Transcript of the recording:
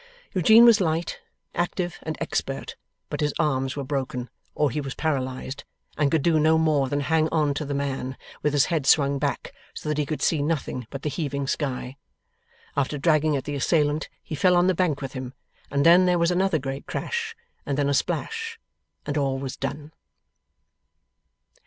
Eugene was light, active, and expert; but his arms were broken, or he was paralysed, and could do no more than hang on to the man, with his head swung back, so that he could see nothing but the heaving sky. After dragging at the assailant, he fell on the bank with him, and then there was another great crash, and then a splash, and all was done.